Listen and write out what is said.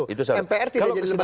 mpr tidak jadi lembaga tertinggi